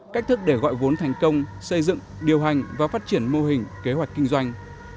cách thức để gọi vốn thành công xây dựng điều hành và phát triển mô hình kế hoạch kinh doanh